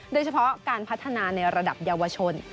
โดยเฉพาะการพัฒนาในระดับเยาวชน